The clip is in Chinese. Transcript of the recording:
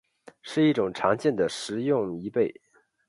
是一种常见的食用贻贝。